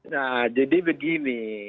nah jadi begini